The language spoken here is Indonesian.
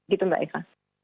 gitu mbak eva